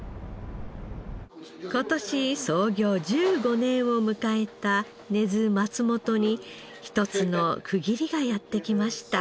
今年創業１５年を迎えた根津松本に一つの区切りがやって来ました。